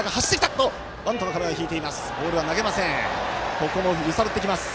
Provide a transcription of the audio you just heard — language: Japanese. ここも揺さぶってきます。